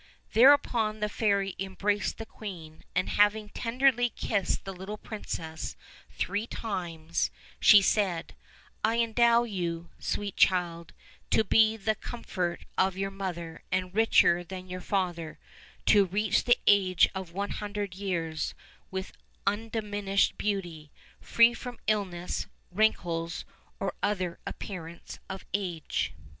Thereupon the fairy embraced the queen, and having tenderly kissed the little princess three times, she said: "I endow you, sweet child, to be the comfort of your mother, and richer than your father; to reach the age of one hundred years, with undiminished beauty, free from illness, wrinkles, or other apprearance of age."